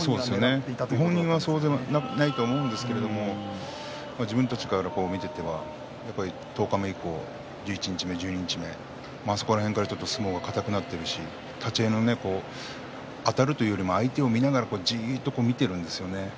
本人はそうでもないと思うんですけど自分たちから見ていては十日目以降、十一日目、十二日目そこら辺から相撲は硬くなっているし立ち合いもあたるというより相手をじっと見ているんですよね。